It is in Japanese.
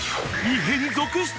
［異変続出